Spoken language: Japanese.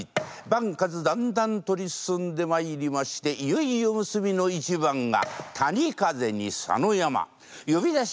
番数だんだん取り進んでまいりましていよいよ結びの一番が谷風に佐野山呼出